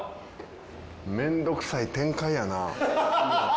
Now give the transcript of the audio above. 面倒くさい展開やな。